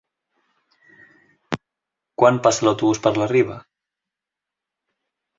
Quan passa l'autobús per la Riba?